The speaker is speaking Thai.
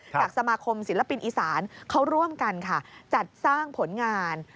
จากสมาคมศิลปินอีสานเขาร่วมกันค่ะจัดสร้างผลงาน